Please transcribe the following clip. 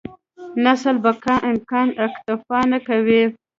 نسل بقا امکان اکتفا نه کوي.